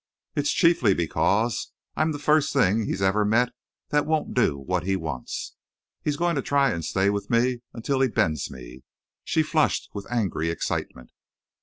It's chiefly because I'm the first thing he's ever met that won't do what he wants. He's going to try to stay with me until he bends me." She flushed with angry excitement.